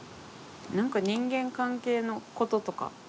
何か人間関係のこととか。